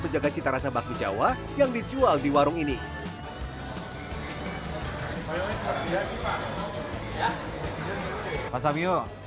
penjaga cita rasa bakmi jawa yang dijual di warung ini